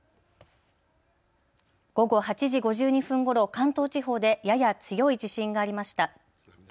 午後８時５２分ごろ、関東地方でやや強い地震がありました。